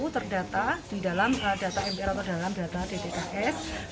terdata di dalam data mpr atau dalam data dtks